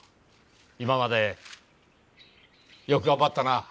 今までよく頑張ったな。